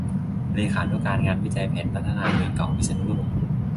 เลขานุการงานวิจัยแผนพัฒนาเมืองเก่าพิษณุโลก